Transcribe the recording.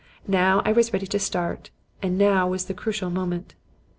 Now I was ready to start; and now was the critical moment.